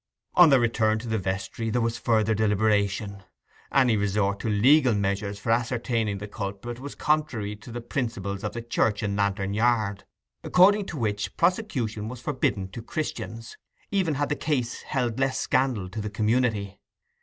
On their return to the vestry there was further deliberation. Any resort to legal measures for ascertaining the culprit was contrary to the principles of the church in Lantern Yard, according to which prosecution was forbidden to Christians, even had the case held less scandal to the community.